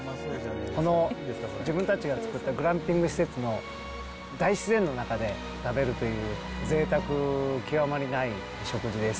この自分たちが作ったグランピング施設の大自然の中で食べるというぜいたく極まりない食事です。